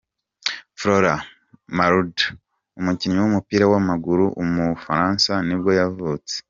Florent Malouda, umukinnyi w’umupira w’amaguru w’umufaransa nibwo yavutse.